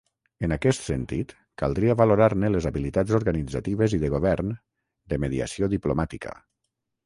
En aquest sentit, caldria valorar-ne les habilitats organitzatives i de govern, de mediació diplomàtica.